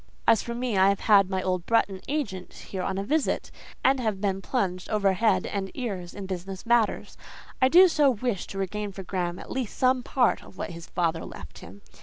"As for me, I have had my old Bretton agent here on a visit, and have been plunged overhead and ears in business matters. I do so wish to regain for Graham at least some part of what his father left him.